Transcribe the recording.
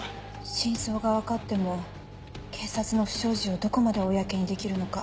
真相が分かっても警察の不祥事をどこまで公にできるのか。